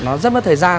nó rất mất thời gian